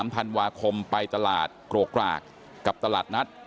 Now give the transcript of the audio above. ๓ธันวาคมไปตลาดโกรกกรากกับตลาดนัด